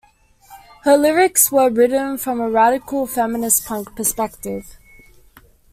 Her lyrics were written from a radical feminist punk perspective.